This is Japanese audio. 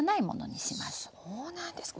そうなんですか。